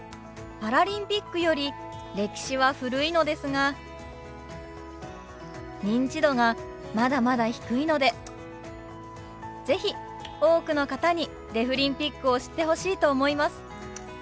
パラリンピックより歴史は古いのですが認知度がまだまだ低いので是非多くの方にデフリンピックを知ってほしいと思います。